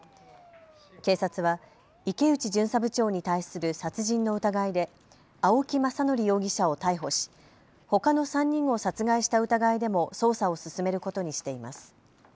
警察は池内巡査部長に対する殺人の疑いで青木政憲容疑者を逮捕しほかの３人を殺害した疑いでも捜査を進めることにしています。